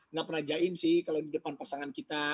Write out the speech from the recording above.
nggak pernah jain sih kalau di depan pasangan kita